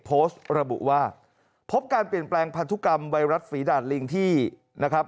โพสต์ระบุว่าพบการเปลี่ยนแปลงพันธุกรรมไวรัสฝีดาดลิงที่นะครับ